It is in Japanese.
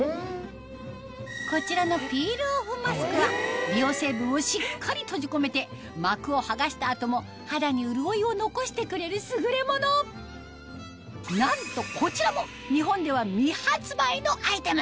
こちらのピールオフマスクは美容成分をしっかり閉じ込めて膜を剥がした後も肌に潤いを残してくれる優れものなんとこちらも日本では未発売のアイテム